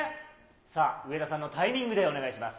さあ、上田さんのタイミングでお願いします。